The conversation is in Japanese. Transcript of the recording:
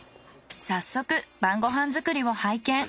早速晩ご飯作りを拝見。